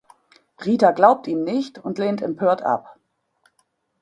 Rita glaubt ihm nicht und lehnt empört ab.